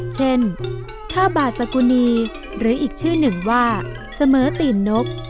เช่นท่าบาสกุณีหรืออีกชื่อหนึ่งว่าเสมอตีนนก